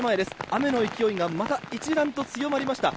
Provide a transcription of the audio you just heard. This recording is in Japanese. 雨の勢いがまた一段と強まりました。